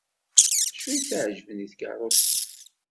D acu ay t-iɛejben deg tkeṛṛust-a?